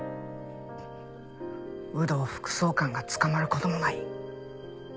有働副総監が捕まる事もない。